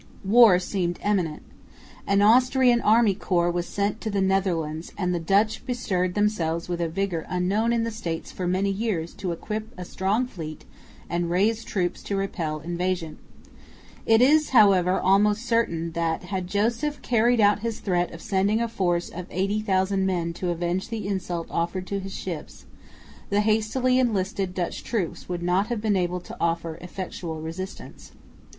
War seemed imminent. An Austrian army corps was sent to the Netherlands; and the Dutch bestirred themselves with a vigour unknown in the States for many years to equip a strong fleet and raise troops to repel invasion. It is, however, almost certain that, had Joseph carried out his threat of sending a force of 80,000 men to avenge the insult offered to his ships, the hastily enlisted Dutch troops would not have been able to offer effectual resistance.